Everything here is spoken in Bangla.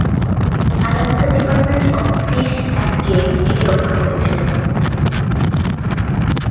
Alaska department of fish and game একে রক্ষা করেছিল।